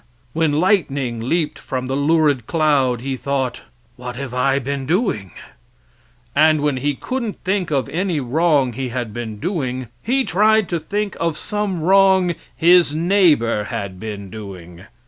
When lightning leaped from the lurid cloud, he thought, "What have I been doing?" and when he couldn't think of any wrong he had been doing, he tried to think of some wrong his neighbor had been doing.